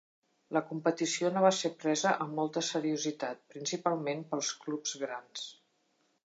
La competició no va ser presa amb molta seriositat, principalment pels clubs grans.